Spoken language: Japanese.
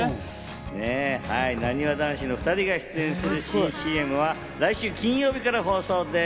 なにわ男子の２人が出演する新ＣＭは来週金曜日から放送です。